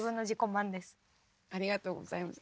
ありがとうございます